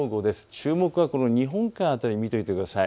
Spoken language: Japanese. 注目はこの日本海辺りを見てください。